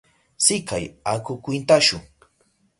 Sikay, aku kwintashu.